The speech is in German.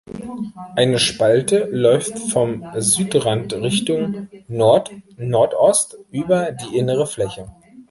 Eine Spalte läuft vom Südrand Richtung Nord-nordost über die innere Fläche.